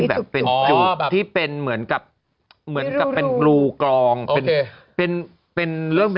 ไม่ใช่